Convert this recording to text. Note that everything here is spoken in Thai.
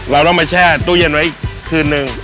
เราต้องมาแช่ตู้เย็นไว้อีกคืนนึง